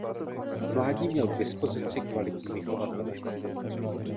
V mládí měl k dispozici kvalitní vychovatele.